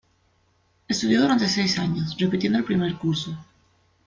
Estudió durante seis años, repitiendo el primer curso.